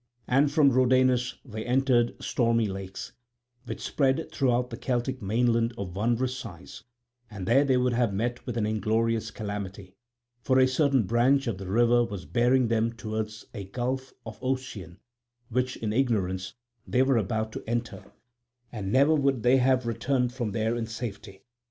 And from Rhodanus they entered stormy lakes, which spread throughout the Celtic mainland of wondrous size; and there they would have met with an inglorious calamity; for a certain branch of the river was bearing them towards a gulf of Ocean which in ignorance they were about to enter, and never would they have returned from there in safety.